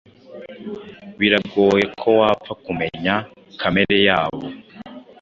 biragoye ko wapfa kumenya kamere yabo